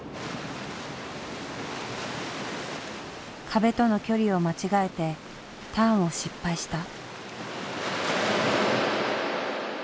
壁との距離を間違えてターンを失敗した。